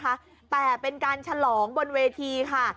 สายดาวอะไรนะคะแต่เป็นการฉลองบนเวทีค่ะ